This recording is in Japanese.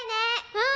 うん！